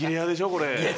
これ。